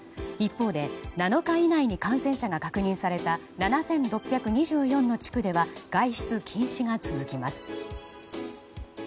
一方で、７日以内に感染者が確認された７６２４の地区では外出禁止が続きます。